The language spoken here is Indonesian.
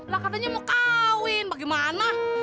lah katanya mau kawin bagaimana